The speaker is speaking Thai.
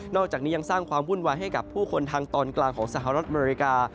อกจากนี้ยังสร้างความวุ่นวายให้กับผู้คนทางตอนกลางของสหรัฐอเมริกา